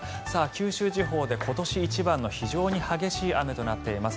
九州地方で今年一番の非常に激しい雨となっています。